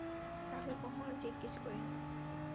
তাঁকে কখনো জিজ্ঞেস করি নি।